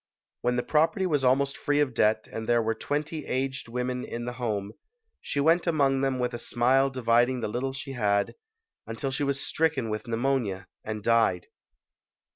When the property was almost free of debt and there were twenty aged women in the home, she went among them with a smile dividing the little she had, until she was stricken with pneumonia and died.